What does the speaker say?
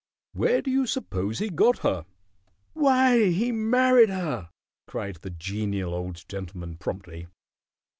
Where do you suppose he got her?" "Why, he married her!" cried the Genial Old Gentleman, promptly.